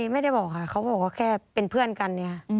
ไม่ได้บอกค่ะเขาบอกว่าแค่เป็นเพื่อนกันเนี่ย